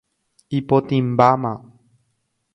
Ipotĩmbáma.